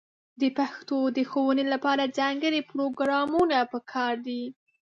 د پښتو د ښوونې لپاره ځانګړې پروګرامونه په کار دي.